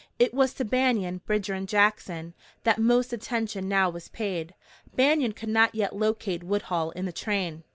It was to Banion, Bridger and Jackson that most attention now was paid. Banion could not yet locate Woodhull in the train.